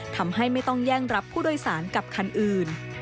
ทำให้ไม่ต้องแย่งรับผู้โดยสารกับคันอื่น